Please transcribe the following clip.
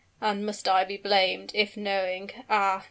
and must I be blamed, if knowing ah!